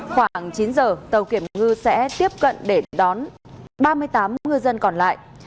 khoảng chín giờ tàu kiểm ngư sẽ tiếp cận để đón ba mươi tám ngư dân còn lại